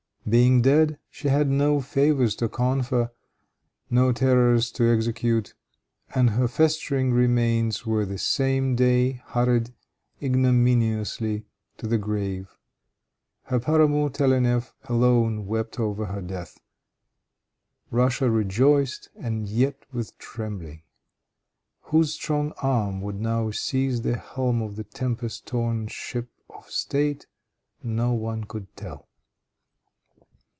Being dead, she had no favors to confer and no terrors to execute; and her festering remains were the same day hurried ignominiously to the grave. Her paramour, Telennef, alone wept over her death. Russia rejoiced, and yet with trembling. Whose strong arm would now seize the helm of the tempest torn ship of State, no one could tell.